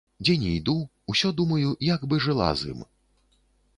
Дзе ні іду, усё думаю, як бы жыла з ім.